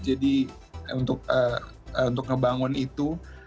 jadi untuk ngebangun itu